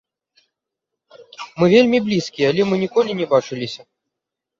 Мы вельмі блізкія, але мы ніколі не бачыліся.